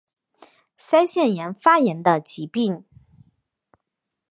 腮腺炎发炎的疾病。